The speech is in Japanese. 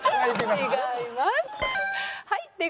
違います。